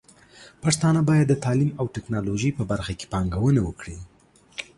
پښتانه بايد د تعليم او ټکنالوژۍ په برخه کې پانګونه وکړي.